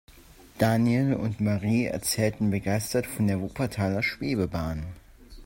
Daniel und Marie erzählten begeistert von der Wuppertaler Schwebebahn.